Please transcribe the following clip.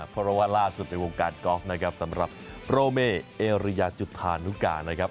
เพราะว่าล่าสุดในวงการกอล์ฟนะครับสำหรับโปรเมเอเรียจุธานุกานะครับ